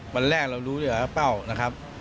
วันแรกเรารู้ได้ว่าเป้านะครับ